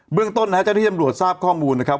เบื้องต้นจังหิตตำรวจทราบข้อมูลนะครับ